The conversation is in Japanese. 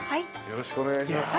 よろしくお願いします。